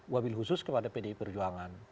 wabil khusus kepada pdi perjuangan